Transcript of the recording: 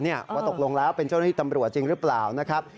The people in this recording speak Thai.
ว่าตกลงแล้วเป็นเจ้าหน้าที่ตำรวจจริงหรือเปล่านะครับ